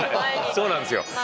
そうなんですよ。